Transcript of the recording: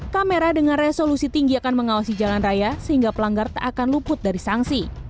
kamera dengan resolusi tinggi akan mengawasi jalan raya sehingga pelanggar tak akan luput dari sanksi